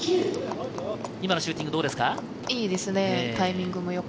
今のシューティング、どうですか？